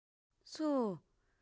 そう。